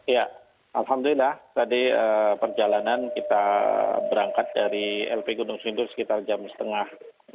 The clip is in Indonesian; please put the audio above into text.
ya alhamdulillah tadi perjalanan kita berangkat dari lp gunung sindur sekitar jam setengah